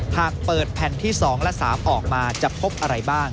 หากเปิดแผ่นที่๒และ๓ออกมาจะพบอะไรบ้าง